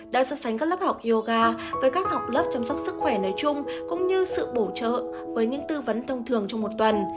đã so sánh các lớp học yoga với cách học lớp chăm sóc sức khỏe nói chung cũng như sự bổ trợ với những tư vấn thông thường trong một tuần